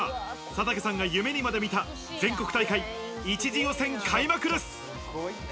佐竹さんが夢にまで見た全国大会、１次予選開幕です。